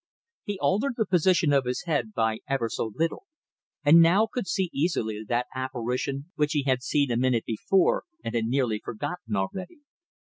He altered the position of his head by ever so little, and now could see easily that apparition which he had seen a minute before and had nearly forgotten already.